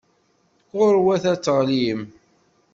Ɣur-wat ad teɣlim.